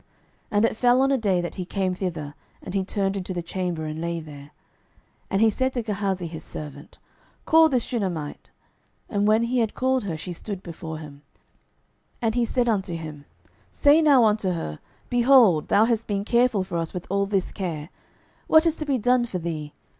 12:004:011 And it fell on a day, that he came thither, and he turned into the chamber, and lay there. 12:004:012 And he said to Gehazi his servant, Call this Shunammite. And when he had called her, she stood before him. 12:004:013 And he said unto him, Say now unto her, Behold, thou hast been careful for us with all this care; what is to be done for thee?